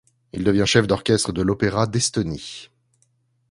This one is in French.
Il devient chef d'orchestre de l'opéra d'Estonie.